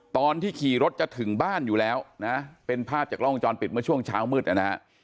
ตอนที่ขี่รถจะถึงบ้านอยู่แล้วนะเป็นภาพจากล้องวงจรปิดเมื่อช่วงเช้ามืดนะฮะ